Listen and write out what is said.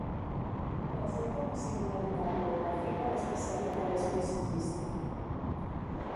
Presenta una singularitat orogràfica d’especial interès paisatgístic.